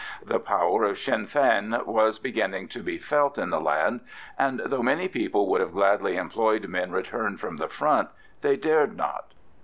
The power of Sinn Fein was beginning to be felt in the land, and though many people would have gladly employed men returned from the front, they dared not.